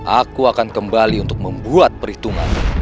aku akan kembali untuk membuat perhitungan